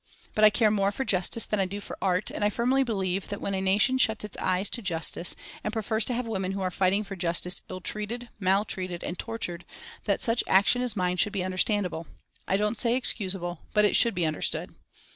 But I care more for justice than I do for art, and I firmly believe than when a nation shuts its eyes to justice, and prefers to have women who are fighting for justice ill treated, mal treated, and tortured, that such action as mine should be understandable; I don't say excusable, but it should be understood.